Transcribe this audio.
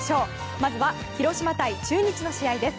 まずは広島対中日の試合です。